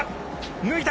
抜いた。